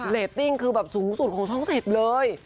เรตติ้งคือแบบสูงสุดของช่อง๑๐เลย